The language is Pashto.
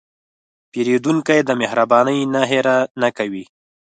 پیرودونکی د مهربانۍ نه هېره نه کوي.